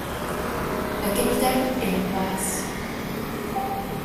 La capitale est La Paz.